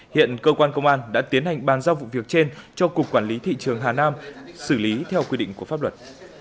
hiện cơ quan công an đã tiến hành bàn giao vụ việc trên cho cục quản lý thị trường hà nam xử lý theo quy định của pháp luật